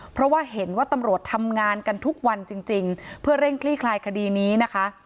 เพราะว่าเห็นว่าตำรวจทำงานกันทุกวันจริงเพื่อเร่งคลี่คลายคดีนี้นะคะ